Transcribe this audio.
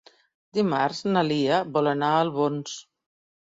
Dimarts na Lia vol anar a Albons.